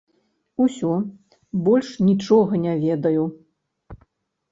Усё, больш нічога не ведаю.